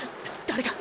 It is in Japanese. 誰か！！